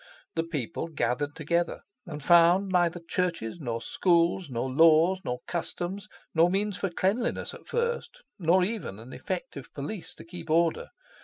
The people gathered together and found neither churches, nor schools, nor laws, nor customs, nor means for cleanliness at first, nor even an effective police to keep order.